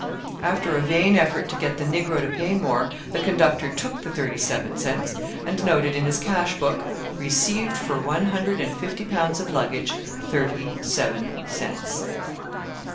After a vain effort to get the Negro to pay more, the conductor took the thirty seven cents, and noted in his cash book, "Received for one hundred and fifty pounds of luggage, thirty seven cents."